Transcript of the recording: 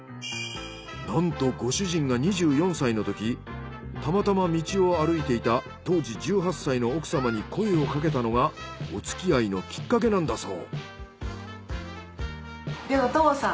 なんとご主人が２４歳のときたまたま道を歩いていた当時１８歳の奥様に声をかけたのがおつきあいのきっかけなんだそう。